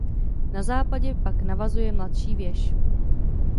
Za západě pak navazuje mladší věž.